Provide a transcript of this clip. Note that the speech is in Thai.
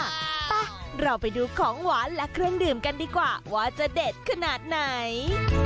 อ่ะเราไปดูของหวานและเครื่องดื่มกันดีกว่าว่าจะเด็ดขนาดไหน